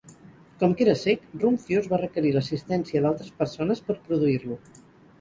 Com que era cec, Rumphius va requerir l'assistència d'altres persones per produir-lo.